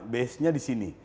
basenya di sini